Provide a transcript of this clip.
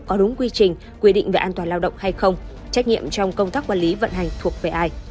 có đúng quy trình quy định về an toàn lao động hay không trách nhiệm trong công tác quản lý vận hành thuộc về ai